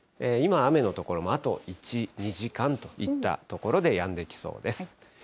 今、雨の所もあと１、２時間といったところでやんできそうです。